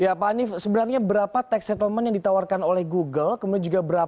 ya pak hanif sebenarnya berapa tax settlement yang ditawarkan oleh google